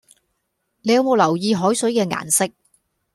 你有冇留意海水嘅顏色